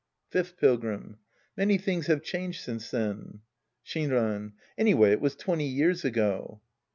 Fifth Pilgrim. Many things have changed since then. Shinran. Anyway it was twenty years ago.